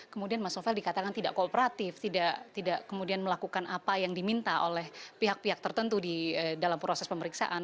kemudian mas novel dikatakan tidak kooperatif tidak kemudian melakukan apa yang diminta oleh pihak pihak tertentu di dalam proses pemeriksaan